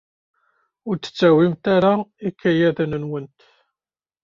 Ur d-tettawimt ara ikayaden-nwent.